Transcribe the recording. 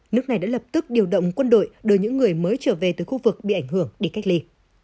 nước này đã lập tức điều động quân đội đưa những người mới trở về từ khu vực bị ảnh hưởng đi cách ly